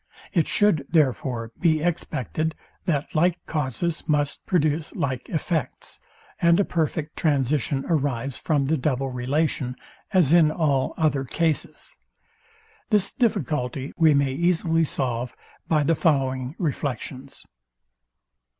It should, therefore, be expected, that like causes must produce like effects, and a perfect transition arise from the double relation, as in all other cases. This difficulty we may easily solve by the following reflections.